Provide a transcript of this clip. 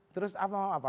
terus apa lagi